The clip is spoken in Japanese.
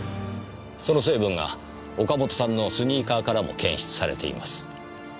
その成分が岡本さんのスニーカーからも検出されています。